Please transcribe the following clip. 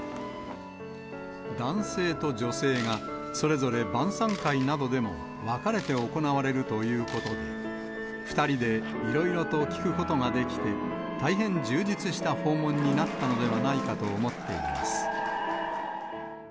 男性と女性が、それぞれ晩さん会などでも分かれて行われるということで、２人でいろいろと聞くことができて、大変充実した訪問になったのではないかと思っています。